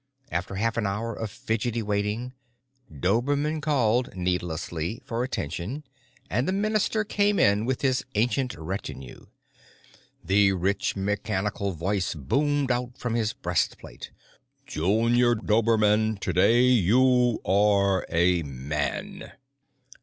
After half an hour of fidgety waiting, Dobermann called—needlessly—for attention, and the minister came in with his ancient retinue. The rich mechanical voice boomed out from his breastplate: "Junior Dobermann, today you are a man!"